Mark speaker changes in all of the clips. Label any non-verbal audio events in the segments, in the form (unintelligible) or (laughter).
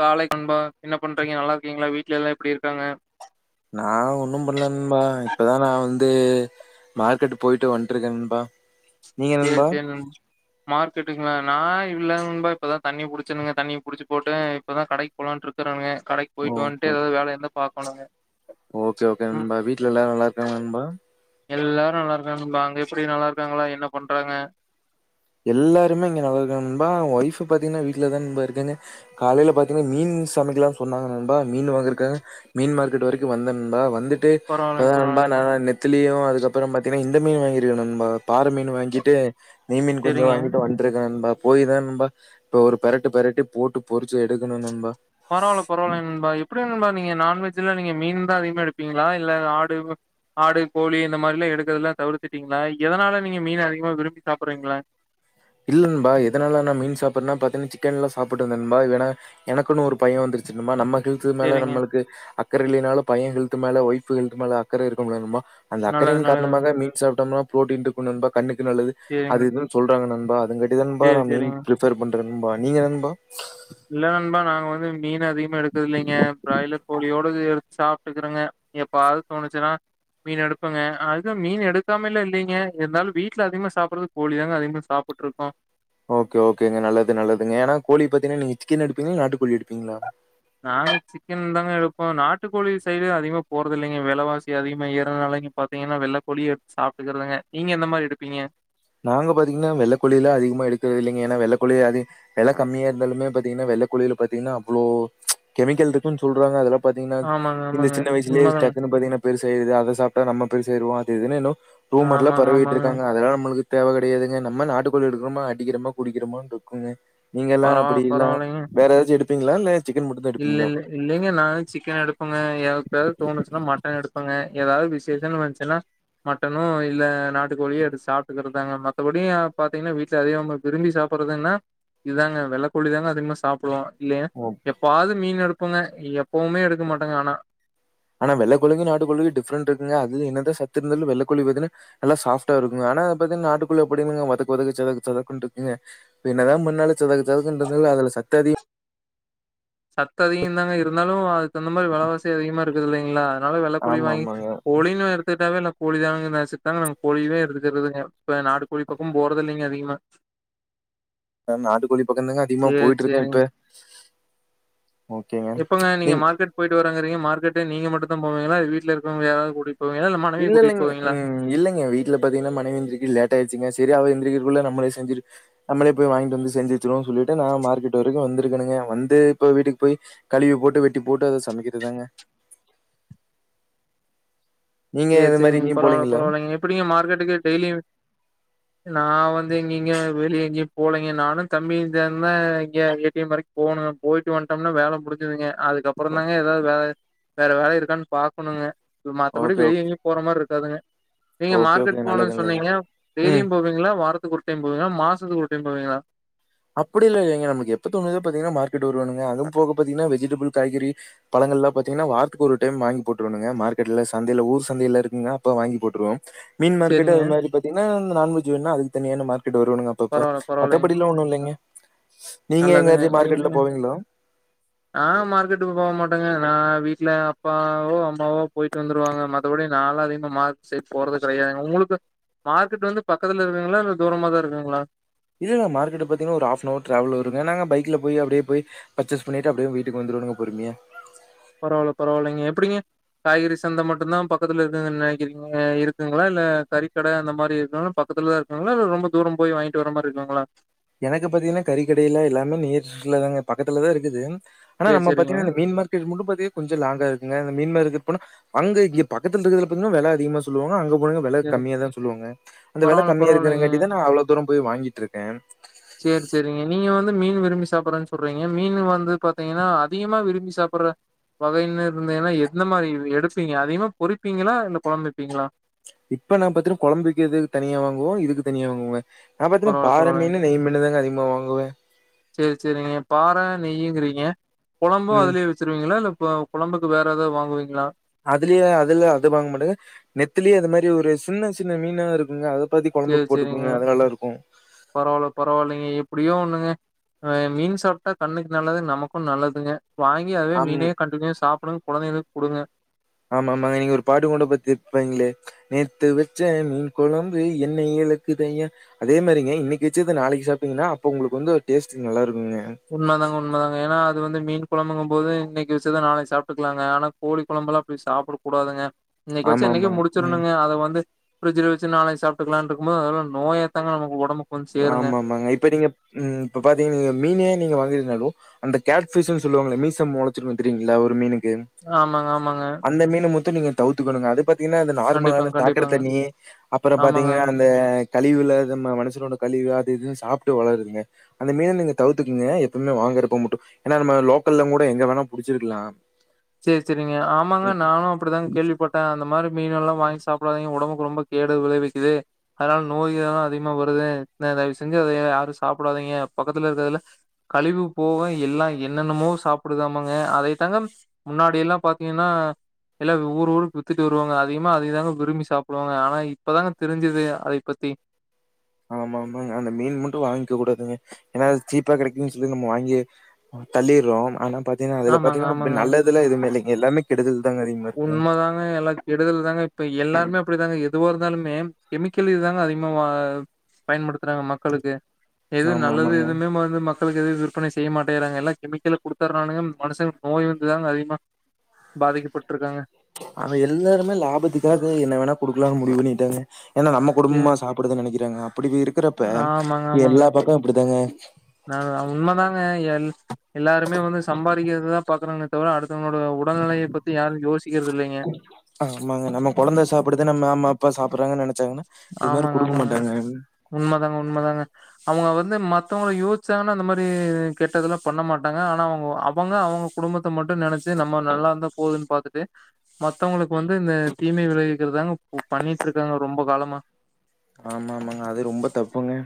Speaker 1: காலை நண்பா என்ன பண்றீங்க நல்லா இருக்கீங்களா வீட்லலா எப்டி இருக்காங்க
Speaker 2: நான் ஒன்னும் பண்ணல நண்பா இப்பதான் நான் வந்து மார்க்கெட் போயிட்டு வந்துருக்கே நண்பா நீங்க
Speaker 1: செரி
Speaker 2: நண்பா
Speaker 1: செரி நண் மார்க்கெட்டுங்கள நான் இல்ல‌ நண்பா இப்பதான் தண்ணி புடிச்சுங்க தண்ணி புடிச்சி போட்டு இப்பதான் கடைக்கு போலான்டு இருக்கறாங்க
Speaker 2: ஓகே ஓகே ஓகே நண்பா வீட்ல எல்லாரும் நல்லா இருக்காங்ள நண்பா
Speaker 1: எல்லார்ரு நல்லாருக்காங்கபா அங்க எப்டி நல்லாருக்காங்களா என்ன பண்றாங்க
Speaker 2: எல்லாருமே இங்க நல்லா இருக்காங் நண்பா ஒய்ஃப்பு பாத்திங்னா வீட்லதா நண்பா இருக்காங்க காலைல பாத்தின்னா மீன் சமைக்கலான் சொன்னாங்கா நண்பா மீனு வாங்குரக்காக மீன் மார்க்கெட் வரைக்குவந்தெ நண்பா வந்துட் டு இப்பதா
Speaker 1: பரவாயில்லைங்க
Speaker 2: நண்பா
Speaker 1: பரவாயில்லைங்க
Speaker 2: நா நித் திலியு அதுக்கப்பறொ பார்த்தினா இந்த மீன் வாங்கியிருக்க நண்பா பாற மீனு வாங்கிட்டு நெய் மீன் தோ
Speaker 1: செரிங்க
Speaker 2: வாங்கிட்டு வந்ட்ருக்கே நண்பா போய் தா நண்பா இப்ப ஒரு பெரட்டு பெரட்டி போட்டு பொறிச்சி எடுக்கணு நண்பா
Speaker 1: பரவால பரவாலை நண்பா எப்டி நண்பா நீங்க நான்வெஜ்ஜுல்ல நீங்க மீன் தா அதிகமா எடுப்பிங்களா இல்ல ஆடு ஆடு கோழி இந்த மாரிலா எடுக்குறதுலா தவுர்த்துட்டிங்ளா எதனால நீங்க மீன் அதிகமா விரும்பி சாப்புட்றிங்கள
Speaker 2: இல்ல நண்பா எதனால நான் மீன் சாப்புட்னா பாத்தினா சிக்கன்லா சாப்பிட்டுந்தே நண்பா வேணா எனக்குன்னு ஒரு பையெ வந்துருச்சு நண்பா நம்ம ஹெல்த்து மேல
Speaker 1: செரிங்க
Speaker 2: நம்மளுக்கு அக்கர இல்லைனாலு பையெ ஹெல்த் த்து மேல ஒய்ஃப்பு ஹெல்த்து மேல அக்கற இருக்குமுல நண்பா அந்த
Speaker 1: நல்லது
Speaker 2: அக்கரையின்
Speaker 1: நல்லது
Speaker 2: காரணமாக மீன் சாப்டம்னா புரோட்டின் டிக்கு நண்பா கண்ணுக் நல்லது
Speaker 1: செரிங்க
Speaker 2: அது இதுன் சொல்றாங்க நண் பா அதுங்க இதன்பா நா
Speaker 1: சேரி
Speaker 2: மெயின்
Speaker 1: செரிங்க
Speaker 2: பிரிப்பர் பண் ட்ரண்பா நீங்க நண்பா
Speaker 1: இல்ல நண்பா நாங்க வந் மீன் அதிகமா எடுத்தது இல்லைங்க பிராய்லர் கோழியோட எ சாப்பிட்டுக்கறதுங்க எப்பவாவது தோணுச்சுன்னா மீன் எடுப்புங்க அதுவும் மீன் எடுக்காமெல்லா இல்லலைங்க இருந்தாலும் வீட்டுல அதிகமா சாப்பிடறது கோழி தாங்க அதிகமா சாப்பிட்டு இருக்கோம்
Speaker 2: ஓகே ஓகேங்க நல்லது நல்லதுங்க ஏன்னா கோழி பாத்தீங்கன்னா நீ சிக்கன் எடுப்பீங்களா நாட்டு கோழி எடு
Speaker 1: நாங்க சிக்கன் தாங்க எடுப் இப்போ நாட்டுக்கோழி சைடு அதிகமா போறது இல்லைங்க விலைவாசி அதிகமா ஏறதுனால நீங்க பார்த்தீங்கன்னா வெள்ளைக்கோழியே எடுத்து சாப்பிட்டுக்கறதுங்க நீங்க எந்த மாதிரி எடுப்பீங்க
Speaker 2: நாங்க பாத்தீங்கன்னா வெள்ளக்கோழி அதிகமா எடுத்தது இல்லைங்க ஏன்னா வெள்ளைக்கோழில அதிக வில கம்மியா இருந்தாலுமே பாத்தீங்கன்னா வெள்ளக் கோழில பாத்தீங்கன்னா அவ்வளோ கெமிக்கல் இருக்குன்னு சொல்றாங்க அதெல்லாம் பாத்தீங்கன்னா
Speaker 1: ஆமாங்க,
Speaker 2: இந்த
Speaker 1: ஆமாங்க.
Speaker 2: சின்ன வயசலயே
Speaker 1: உண்மதாங்க.
Speaker 2: டக்கு பாத்தீங்கன்னா பெருசு அதை சாப்பிட்டா நம்ம பெருசு ஆய்ருவோம் அது இதுனு ரூமர்லெலாம்
Speaker 1: ஆமாங்க,
Speaker 2: பரவிட்டு
Speaker 1: ஆமாங்க.
Speaker 2: இருக்காங்க அதெல்லாம் மனசுக்கு தேவை கிடையாதுங்க நம்ம நாட்டு கோழி எடுக்கிறோமோ அடிக்கிறோமோ குடிக்கிறோமோனு இருக்குங்க நீங்க எல்லாம் அப்படி
Speaker 1: பரவால்ல,
Speaker 2: இல்லாம்
Speaker 1: பரவால்லைங்க.
Speaker 2: வேற ஏதாச்சும் எடுத்து பப்பிங்களா (unintelligible)
Speaker 1: இல்ல இல்ல இல்லைங்க நான் சிக்கன் எடுப்பேங்க எப்பாயாச்சும் தோணுச்சுன்னா மட்டன் எடுப்பேங்க ஏதாவது வந்துச்சுன்னா மட்டனோ இல்ல நாட்டு கோழியோ எடுத்து சாப்பிட்டுக்கறதாங்க மத்தபடி பாத்தீங்கன்னா வீட்டுல அதே விரும்பி சாப்படுறதுன்னா இதுதாங்க வெள்ளக்கோழி தாங்க அதிகமா சாப்பிடுவோம்
Speaker 2: ஓ
Speaker 1: மீன் எடுப்போங்க எப்பவுமே எடுக்க மாட்டோங்க ஆனா
Speaker 2: ஆனா வெள்ளைக்கோழிக்கும் நாட்டுக்கோழிக்கும் டிஃப்ரெண்ட் இருக்குங்க அதுல என்னதான் சத்து இருந்தாலும் வெள்ளக்கோழி பாத்தோம்ன்னா நல்லா சாஃப்டா இருக்கும் ஆனா அது நாட்டுக்கோழி அப்படியில்லைங்க வதக்க வதக்க சதக்கு சதக்கு இருக்குங்க என்னதான் பன்னாலும் சதக்கு சதக்கு இருந்தாலும் அதுல சத்து அதிகம்
Speaker 1: சத்து அதிகம் தாங்க இருந்தாலும் அந்த மாதிரி வெல வாசி அதிகமா இருக எடுக்கறது இல்லைங்களா அத வெள்ளக்கோழி
Speaker 2: ஆமா
Speaker 1: வாங்கி
Speaker 2: ஆமாங்க
Speaker 1: கோழின்னு எடுத்துகிட்டாவே கோழிதாங்க நினச்சு தாங்க நாங்க கோழியவே எடுத்துக்குறதுங்க இப்ப நாட்டு கோழி பக்கம் போறதே இல்லைங்க அதிகமா
Speaker 2: ஆ நாட்டுக்கோழி பக்கதாங்க அதிகமா
Speaker 1: சேரி
Speaker 2: போயிட்டு இருக்கேன்
Speaker 1: சேரிங்க
Speaker 2: இப்ப ஓகேங்க
Speaker 1: எப்பங்க நீங்க
Speaker 2: நீங்
Speaker 1: மார்கெட் போயிட்டு வரங்க சரிங்க மார்கெட் நீங்க மட்டும்தான் போவீங்களா இல்ல வீட்டுல இருக்கறவங்க யாராவது குடிட்டு
Speaker 2: இல்ல இல்ல இல்லங் இல்லைங்க வீட்டுல பாத்தீங்கன்னா மனைவி எந்திரிக்க லேட் ஆயிடுச்சுங்க சரி அவ எந்திரிக்கிரதுக்குள்ள நம்மளே செஞ்சு நம்மளே போய் வாங்கிட்டு வந்து செஞ்சு வெட்சிருவோனு சொல்லிட்டு நா மார்க்கெட் வரைக்கும் வந்திருக்கனுங்க வந்து இப்ப வீட்டுக்கு போய் கழுவி போட்டு வெட்டி போட்டு அத சமைக்கிறதுதாங்க
Speaker 1: சரி
Speaker 2: மாரி
Speaker 1: சரிங்க
Speaker 2: எங்கேயும்
Speaker 1: பரவால
Speaker 2: போலீங்களா
Speaker 1: பரவாலைங்க எப்படிங்க மார்க்கெட்டுக்கு டெய்லி நான் வந்து எங்கேங்க வெளியே எங்கயும் போகலைங்க நானும் தம்பியும் இங்க ஏடிஎம் வரைக்கும் போகணும் போயிட்டு வந்துட்டோம்னா வேலை முடிச்சிதுங்க அதுக்கப்புறம் தாங்க ஏதாவது வேலை வேற வேலை இருக்கான்னு பாக்கணுங்க அப்படி
Speaker 2: ஓகே
Speaker 1: வெளியே
Speaker 2: ஓகே
Speaker 1: எங்கேயும் போற மாதிரி இருக்காதுங்க நீங்க
Speaker 2: ஓகே
Speaker 1: மார்கெட்
Speaker 2: ஓகே நல்லது
Speaker 1: போனது
Speaker 2: நல்லது
Speaker 1: சொன்னீங்க
Speaker 2: ம்
Speaker 1: டெய்லியும் போவீங்களா வாரத்துக்கு ஒரு டைம் போவீங்களா மாசம் வாரத்துக்கு ஒரு டைம் போவீங்களா
Speaker 2: அப்படியெல்லாம் இல்லைங்க நமக்கு எப்போ தோணுதோ பாத்தீங்கன்னா மார்கெட் வருவேனுங்க அதுவும் போக பாத்தீங்கன்னா வெஜிடபிள் காய்கறி பழங்கள்லாம் பாத்தீங்கன்னா வாரத்துக்கு ஒரு டைம் வாங்கி போட்டுருவேனுங்க மார்க்கெட்டுல சந்தையில ஊர்சந்தையில இருக்குங்க அப்ப வாங்கி போட்டுருவோம் மீன் மார்க்கெட்
Speaker 1: சரிங்க.
Speaker 2: அது மாதிரி பாத்தீங்கன்னா நான்வெஜி வேண்ணா அதுக்கு தனியான மார் கிட்டு வருவணுங்க அப்பப்ப
Speaker 1: பரவால்ல, பரவால்லங்க.
Speaker 2: மற்றபடிலா ஒண்ணு இல்லைங்
Speaker 1: நல்லதுங்க ம்கு
Speaker 2: போவீங்களா?
Speaker 1: ஆஹ் மார்க்கெட்டுக்கு போக மாட் டங்க நா வீட்ல அப்பாவோ அம்மாவோ போய்ட்டு வந்துருவாங்க மத்தபடி நாலா அதிகமாக மார்க் சைட் போறது கிடையாதுங் உங்களுக்கு மார்க்கெட் வந்து பக்கத்துல இருக்குங்களா இல்ல தூரமா தா இருக்குங்க களா
Speaker 2: இல்லல மார்க்கெட்டு பாத்திங்னா ஒரு ஆஃப்பனவர் ட்ராவல் வருங்க நாங்க பைக்ல பொய் அப்டியே பொய் பர்ச்சேஸ் பண்ணிட்டு அப்டியே வீட்டுக்கு வந்துருவணுங்க பொறுமியா
Speaker 1: பரவால பரவாலைங்க எப்டிங்க காய்கறி சந்த மட்டுந்தா பக்கத்துல இருக்குங்கன் நினைக்கிறிங்க இருக்குங்ளா இல்ல கறிக்கட அந்த மாரி இருக்கு பக்கத்துலதா இருக்குங்ளா இல்ல ரொம்ப தூரம் போய் வாங்கிட்டு வரமாரி இருக்குங்களா
Speaker 2: எனக்கு பாத்திங்னா கறிக்கடையில எல்லாமே நியர்ஸ்ல தாங்க பக்கத்துலதா இருக்குது ஆனா
Speaker 1: சேரி
Speaker 2: நம்
Speaker 1: சேரிங்க
Speaker 2: பாத்திங்கனா இந்த மீன் மார்க்கெட் மட்டு பாத்திக கொஞ்சொ லாங்கா இருக்குங்க இந்த மீன் மார்க்கெட் போனா அங்க இங்க பக்கத்துலருக்கதுல பாத்திங்னா வெல அதிகமா சொல்லுவாங்க அங்க போனிங்னா வெல
Speaker 1: சேரி
Speaker 2: கம்மியா தான் சொல்லுவாங்க அந்த வெல
Speaker 1: பரவால்ல
Speaker 2: கம்மியா
Speaker 1: பரவால்லைங்க
Speaker 2: இருக்குறங்காட்டி தா நா அவ்ளோ தூரம் பொய் வாங்கிட்ருக்கே
Speaker 1: சேரி சேரிங்க நீங்க வந் து மீன் விரும்பி சாப்புட்றன் சொல்றிங்க மீனு வந்து பாத்திங்கனா அதிகமா விரும்பி சாப்புட்ற வகைன்னு இருந்தேனா எந்த மாரி எடுப்பிங்க அதிகமா பொறிப்பிங்களா இல்ல கொழம்பு வப்பிங்ளா
Speaker 2: இப்ப நான் பாத்தினா கொழம்பு வைக்கதுக் தனியா வாங்குவோ இதுக்கு தனியா வாங்குவங்க நா பாத்தினா
Speaker 1: பரவால்ல,
Speaker 2: பாறமீனு நெய் மீனுதாங்க அதிக வா ங்குவவே
Speaker 1: செர் செரிங்க பாற நெய்யுங்கிறீங்க கொழம்பும்
Speaker 2: ம்.
Speaker 1: அதுலயே வச்சிருவங்கள இல்ல இப்ப கொழம்புக்கு வேற ஏதாவது வாங்குவீங்களா
Speaker 2: அதுலயே அதுல அது வாங்க மாட்டேங்க நெத்திலி அது மாரி ஒரு சின்ன சின்ன மீனா இருக்குங்க அத பத்தி
Speaker 1: சேரி,
Speaker 2: குழம்புக்கு
Speaker 1: சேரிங்க.
Speaker 2: போட்டுக்கோங்க அது நல்லா இருக்கூ
Speaker 1: எப்டியோ ஒண்ணுங்க மீன் சாப்ட்டா கண்ணுக்கு நல்லது நமக்கும் நல்லதுங்க வாங்கி அதுவே
Speaker 2: ஆமா.
Speaker 1: மீன கண்டினியூ சாப்பிடணு கொழந்தைங்களுக்கு கொடுங்க
Speaker 2: ஆமா ஆமாங்க நீங்க ஒரு பாட்டு கொண்ட பத்திப்பீங்களே நேற்று வச்ச மீன் குழம்பு எண்ணெய் இலக்கு தையா அதே மாதிரிங்க இன்னைக்கு வச்சது நாளைக்கு சாப்பீங்கன்னா அப்ப உங்களுக்கு வந்து ஒரு டேஸ்ட் நல்லா இருக்கூ
Speaker 1: உண்மதாங்க உண்மதாங்க ஏன்னா அது வந்து மீன் கொழம்புங்க போது இன்னைக்கு வெச்சு தான் நாளை சாப்பிட்டுக்கலாங்க ஆனா கோழிகொழம்புலாம் அப்டி சாப்பிட கூடாதுங்க இன்னைக்கு வச்சு
Speaker 2: ஆமா,
Speaker 1: இன்னைக்கு
Speaker 2: ஆமாங்க. ம்.
Speaker 1: முடிச்சிருனுங்க அத வந்து பிரிட்ஜ் வச்சு நாளை சாிட்டுக்கலாம்னு இருக்கும் போதுல்ல நோயா தாங்க நம்ம ஒடம்புக்கு
Speaker 2: ஆமா ஆமாங்க இப்ப நீங்க இப்ப பாத்தீங்க நீங்க மீன் நீங்க வாங்க இருந்தாலு அந்த கேர் பிஷ் சொல்லுவாங்க மீச மொலச்சு இருக்கூ தெரியங்களா ஒரு மீன
Speaker 1: ஆமாங்க ஆமாங்க
Speaker 2: அந்த மட்டு நீங்க தவித்துக்கணங்க அத பத்தி அ நார்மலான
Speaker 1: கண்டிப்பாங்க,
Speaker 2: சாக்டை
Speaker 1: கண்டிப்பாங்க.
Speaker 2: தண்ணி அப்புறம்
Speaker 1: ஆமாங்க.
Speaker 2: பாத்தீங்கன்னா அந்த கழிவுல மனசனோட கழிவு அது இதுன்னு சாப்பிட்டு வளருதுங்க அந்த மீன் நீங்க தவ்த்தக்கீங்க எப்பவுமே வாங்கறப்போ மட்டும் ஏன்னா நம்ம லோக்கல்லலாம் கூட எங்க வேணா புடிச்சிருக்கலாம்
Speaker 1: செரி செரிங்க ஆமாங்க நானும் அப்படிதான்ங்க கேள்விப்பட்டே அந்த மாரி மீன எல்லாம் வாங்கி சாப்பிடாதீங்க ஒடம்புக்கு ரொம்ப கேடு விளைவிக்குது அதனால நோய்கள் எல்லாம் அதிகமா வருது தயவு செஞ்சு அதைய யாரும் சாப்பிடாதீங்க பக்கத்துல இருக்கறதுல கழிவு போக எல்லாம் என்னென்னமோ சாப்பிடதாமங்க அதைத்தாங்க முன்னாடி எல்லாம் பாத்தீங்கன்னா எல்லாம் ஊர் ஊருக்கு வித்துட்டு வருவாங்க அதிகமா அதிகதாங்க விரும்பி சாப்பிடுவாங்க ஆனா இப்பதாங்க தெரிஞ்சுது அதை பத்தி
Speaker 2: ஆமா ஆமா அந்த மீன் மட்டும் வாங்கிக்க கூடாதுங்க ஏன்னாது சீப்பா கெடைக்குன்னு சொல்லி நம்ம வாங்கி தள்ளிடுறோ ஆனா பாத்தீங்கன்னா அது
Speaker 1: ஆமாங்க
Speaker 2: பாத்தீங்கன்னா இ நல்லதுல்லாம் இதும இலங்க எல்லாமே கெடூது
Speaker 1: உண்ம தாங்க எல்லாம் கெடுதல் தாங்க இப்ப எல்லாருமே அப்டிதாங்க எதுவா இருந்தாலுமே கெமிக்கல் இதாங்க அதிகமா பயன்படுத்துறாங்க மக்களுக்கு எது
Speaker 2: ஆமா
Speaker 1: நல்லது
Speaker 2: ஆமாங்க
Speaker 1: எதுவுமே வந்து மக்க மக்களுக்கு எவும் விற்பனை செய்ய மாட்டேறாங்க எல்ல கெமிக்கல் கொடுத்தனால மனுச நோய் வந்துதாங்க அதிகமா பாதிக்கப்பட்
Speaker 2: ஆமா எல்லாருமே லாபத்துக்காக என்ன வேணா கொடுக்கலாம்னு முடிவு பண்ணிட்டாங்க என்ன நம்ம
Speaker 1: ஏ
Speaker 2: குடும்பமா சாப்டுதுன்ன நைக்க ஜங்கா
Speaker 1: ஆமாங்க ஆமாங்க
Speaker 2: இப்படித்தாங்க
Speaker 1: நான் உண்மை தாங்க எல் எல்லாருமே வந்து சம்பாதிக்கிறிறதுதான் பாக்குறேங்க தவிர அடுத்தவ இல்லைங்க
Speaker 2: ஆமாங்க நம்ம குழந்தை சாப்டுது நம்ம மாமா அப்பா சாப்ப ப்படிரான்ங்க
Speaker 1: ஆமாங்க ஆமாங்க உண்மை தாங்க உண்மை தாங்க அவங்க வந்து மத்தவங்க யோசிச்சாங்கன்னா அந்த மாரி கெட்டதெல்லாம் பண்ண மாட்டாங்க ஆனா அவங்க அவங்க அவங்க குடும்பத்தை மட்டும் நினைச்சு நம்ம நல்லா இருந்தா போகுதுன்னு பாாரத்துட்டு மத்தவங்களுக்கு வந்து இந்த தீமை விளைவிக்கிறதாங்க பண்ணிட்டு இருக்காங்க ரொம்ப காலமா
Speaker 2: ஆமா ஆமாங்க அது ரொம்ப தப்புங்க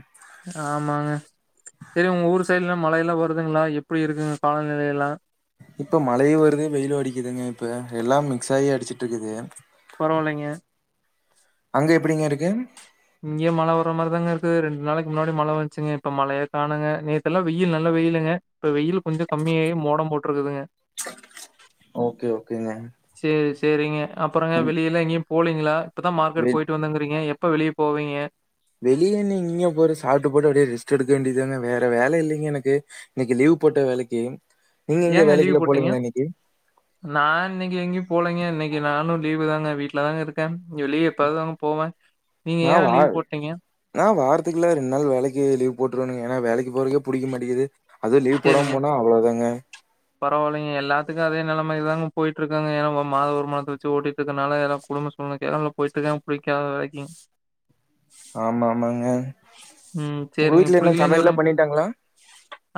Speaker 1: ஆமாங்க சரி உங்க ஊரு ல மழையல்லாம் வருதுங்களா எப்படி இருக்குங்க காலநிலைய எல்லாம்
Speaker 2: இப்ப மழைய வருது வெயில்ம் அடிக்குதுங்க இப்ப எல்லாம் மிக்ஸ் ஆகி அடிச்சிட்டு இருக்குது
Speaker 1: பரவால்லைங்க
Speaker 2: அங்க எப்படிங்க இருக்கு
Speaker 1: இங்கயே மழை வர்ற மாரிதாங்க இருக்குது ரெண்டு நாளைக்கு முன்னாடி மழை வந்துச்சுங்க இப்ப மழையே காணுங்க நேத்தெல்லாம் வெயில் நல்லா வெயிலுங்க இப்ப வெயில் கொஞ்சம் கம்மியாகி மோடம் போட்டுருக்குதுங்க
Speaker 2: ஓகே ஓகே க்கங்க
Speaker 1: சரிங்க அப்புறங்க வெளில எங்கய போலீங்களா இப்பதான்
Speaker 2: வெ
Speaker 1: மார்க்கட் போயிட்டு வந்துங்கீங்க இப்ப வெளியே போவீங்க
Speaker 2: வெளியே நீ இங்க போற சாப்பிட்டு போட்டு அப்படியே ரெஸ்ட் எடுக்க வேண்டியதுதாங்க வேற வேலை இல்லைங்க எனக்கு இன்னைக்கு லீவ் போட்ட வேலைக்கு நீங்க எங்க
Speaker 1: ஏங்க லீவு்
Speaker 2: வேலைக்குலா
Speaker 1: போட்டீங்க
Speaker 2: போலீங்களா இன்னைக்கு
Speaker 1: நான் இன்னைக்கு எங்கி போலங்க இன்னைக்கு நானும் லீவு் தாங்க வீட்டுல தாங்க இருக்கேன் வெளிய எப்பயாவதுதாங்க போவேன். நீங்க
Speaker 2: நான் வா
Speaker 1: ஏன் லீவ் போட்டீங்க?
Speaker 2: நான் வாரத்துக்குல ரெண்டு நாள் வேலைக்கு லீவ் போட்டுவிடுவானுங்க ஏன்னா வேலைக்கு போறக்கே புடிக்க மாட்டிது அதுவும் லீவ் போடாம
Speaker 1: சேரிங்க.
Speaker 2: போனா அவ்வளவு தாங்க
Speaker 1: அப்பிடிதாங்க போயிட்டு இருக்காங்க ஏன்னா மாத ஒருமானதத்தை வச்சு ஓட்டிட்டு இருக்கனால எல்லாம் குடும்பம் சொல்லண கேல போயிட்டு இருக்காங்க பிடிக்காத வேலைக்கும்
Speaker 2: ஆமா ஆமாங்க
Speaker 1: உம்
Speaker 2: உங்க
Speaker 1: சரிங்க
Speaker 2: வீட்ல என்ன
Speaker 1: புடிக்கலன்னு
Speaker 2: சமையல்லாம்
Speaker 1: சொல்றேங்க
Speaker 2: பண்ணிட்டாங்களா?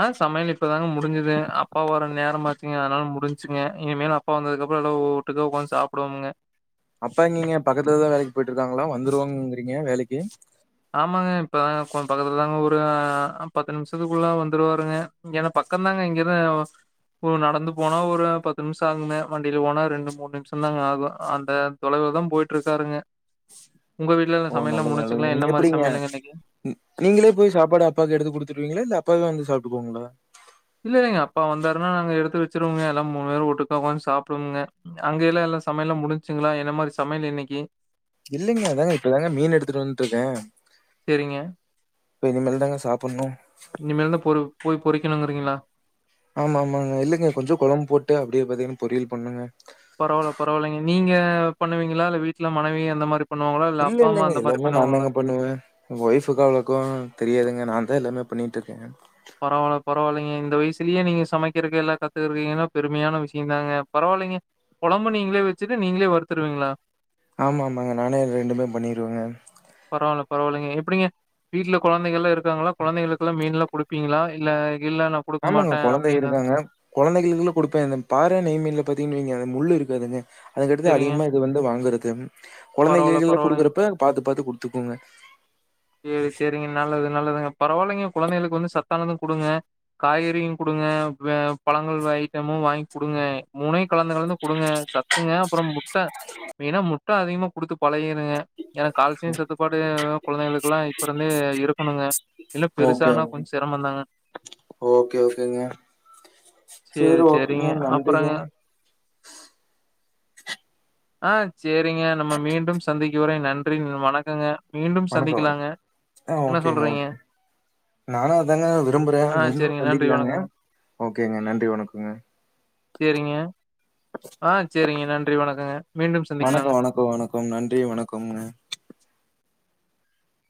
Speaker 1: ஆஹ் சமையல் இப்பதாங்க முடிஞ்சது அப்பா வர நேரமாச்சக்கங் அதனால முடிஞ்சுங்க இன மேல அப்பா வந்ததுக்ககு அப்புறம் எல்லோரும் ஒட்டுக்கா உட்காந்து சாப்பிடுவாங்க
Speaker 2: அப்பாங்கங்க பக்கத்துல தான் வேலைக்கு போயிட்டு இருக்காங்களா வந்துருவங்கிறீங்க வேலைக்கு எ
Speaker 1: ஆமாங்க இப்ப தாங்க கொ்ச பக்கத்துலதாங்க ஒரு பத்து நிமிஷத்துக்குள்ள வந்துருவாருங்க ஏன்னா பக்கம்்தாங்க இங்கரு நடந்து போனா ஒரு பத்து நிமிஷம் ஆகுங்க வண்டியில போனா ரெண்டு மூணு நிமிஷம் தாங்க ஆகும் அந்த தொலைவில்தான் போயிட்டு இருக்காருங்க உங்க வீட்ல
Speaker 2: ஓ!
Speaker 1: சமையல் எல்லாம்
Speaker 2: நல்லது,
Speaker 1: முடிஞ்சுச்சுங்களா
Speaker 2: நல்லதுங்க.
Speaker 1: என்ன
Speaker 2: நீங்க
Speaker 1: மாதிரி
Speaker 2: நீங்களே போய் சாப்பாடு அப்பாவுக்கு எடுத்து கொடுத்து செஞ்சிருவீங்களா அப்பாவே வந்து சாப்பிட்டுக்குவாங்களா
Speaker 1: இல்ல இல்லைங்க அப்பா வந்தாருன்னா நாங்க எடுத்து வச்சிருவங்க எல்லாம் மூணு பேரும் ஒட்டுக்கா உக்காந்து சாப்பிடுங்க அங்க எல்லாம் எல்லா சயல்லாம் எல்லாம் முடிஞ்சுங்களா என் மாதிரி சமையல் இன்னைக்கு
Speaker 2: இல்லைங்க அதாங்க இப்பதாங்க மீன் எடுத்துட்டு வட்டு இருக்கேன்
Speaker 1: சரிங்க.
Speaker 2: இப்ப இனிமேல் தாங்க சாப்பிடணும்
Speaker 1: இனிமேல் தான் போய் பொரிக் கணுங்கறீங்களா
Speaker 2: ஆமா ஆமாங்க இல்லைங்க கொஞ்சம் குழம்பு போட்டு அப்படியே பாத்தீங்கன்ன பொரியல் பண்ணுங்க
Speaker 1: பரவாயில்ல பரவாயில்லைங்க நீங்க பண்ணுவீங்களா இல்ல வீட்டுல மனைவி அந்த மாதிரி
Speaker 2: இல்ல இல்லைங்க எல்லாமே நான தாங்க பண்ணுவேன் வைஃப்க்கு அவ்வளக்கா தெரியாதுங்க நான் தான் எல்லாமே பண்ணிட்டுன் இருக்க
Speaker 1: பரவாயில்ல பரவாயில்லைங்க இந்த வயசுலயே நீங்க சமைக்கிறக்க எல்லா கத்துக்கக்கீங்கன்னும் பெருமையான விஷயம் தாங்க பரவாயில்லைங்க குழம்பு நீங்களே வச்சுட்டு நீங்களே வருத்துருவீங்களா
Speaker 2: ஆமா ஆமாங்க நானே ரெண்டுமே பண்ணிருவங்க
Speaker 1: பரவாயில்ல பரவாயில்லைங்க எப்படிங்க வீட்டுல குழந்தைகள் எல்லாம் இருக்காங்களா குழந்தைகளுக்குெல்லாம் மீன் எல்லாம் குடுப்பீங்களா இல்ல "இல்ல நான் குடுக்க
Speaker 2: ஆமாங்க
Speaker 1: மாட்டேன்"
Speaker 2: குழந்தை
Speaker 1: அப்படின்னு
Speaker 2: இருக்காங்க குழந்தைகளுக்கு கொடுப்பேன் பாரா நெய்மீன் பாத்தீங்கு வங்க முள்ளு இருக்கதுங்க அது கடுத்து
Speaker 1: சரிங்க.
Speaker 2: அதிகமா இது வந்து வாங்கறது த (unintelligible)
Speaker 1: பரவால்ல
Speaker 2: குழந்தைகல்லாம்
Speaker 1: பரவால்லைங்க.
Speaker 2: கொடுக்குறப்ப பாத்து பாத்து கொடுத்பேன் எத்துக்கோங்க
Speaker 1: சரி சரிங்க நல்லது நல்லதுங்க பரவாயில்லைங்க குழந்தைகளுக்கு வந்து சத்தானதும் கொடுங்க காய்கறியும் கொடுங்க பழங்கள் ஐட்டமும் வாங்கி கொடுங்க மூணே குழந்தைகும் கொடுங்க சத்துங்க அப்புறம் முட்டை மேய்னா முட்டை அதிகமா குடுத்து பழைகிருங்க என்னா கால்சியம் சத்துப்பாடு குழந்தைகளுக்கு எல்லாம் இப்ப இருந்தே இருக்கணுங்க இல்ல
Speaker 2: ஓகே
Speaker 1: பெருசானா
Speaker 2: ஓகே
Speaker 1: கொஞ்ச சிரமந்தாங்க
Speaker 2: ஓகே ஓகேங்க சேரி
Speaker 1: சேரிங்க
Speaker 2: ஓகேங்க நன்றிங்க
Speaker 1: அப்புறங்க ஆ ச் சேரிங்க நம்ம மீண்டும் சந்திக் இவரை நன்றி வணக்கங்க மீண்டும் சந்திக்
Speaker 2: வணக்கம், ஆ ஓகேங்க நானு அதாங்க விரும்புறே
Speaker 1: ஆ
Speaker 2: மீண்டு
Speaker 1: சேரிங்க நன்றி
Speaker 2: சந்திக்கலாங்க
Speaker 1: வணக்கங்க
Speaker 2: ஓகேங்க நன்றி வணக்கோங்க
Speaker 1: சேரிங்க ஆ ச் சேரிங்க நன்றி வணக்கங்க மீண்டும் சந்திக்கலாங்க
Speaker 2: வணக்கோ வணக்கோ வணக்கோ நன்றி வணக்கோங்க